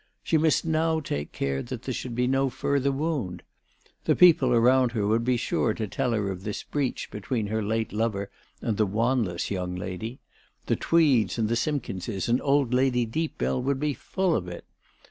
She must now take care that there should be no further wound. The people around her would be sure to tell her of this breach between her late lover and the Wanless young lady. The Tweeds and the Sim kinses, and old Lady Deepbell would be full of it.